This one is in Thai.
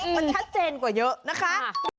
มันชัดเจนกว่าเยอะนะคะ